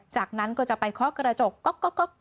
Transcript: จากนั้นก็จะไปคอกกระจกก๊อกก๊อกก๊อก